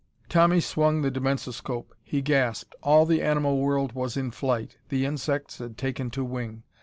Tommy swung the dimensoscope. He gasped. All the animal world was in flight. The insects had taken to wing.